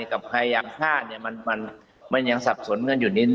กับพยายามฆ่าเนี่ยมันยังสับสนกันอยู่นิดน